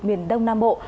miền đông nam bộ